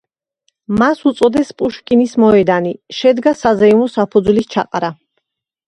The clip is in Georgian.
მას უწოდეს პუშკინის მოედანი, შედგა საზეიმო საფუძვლის ჩაყრა.